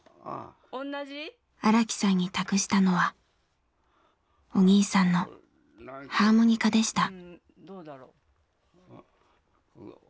荒木さんに託したのはお兄さんのハーモニカでした。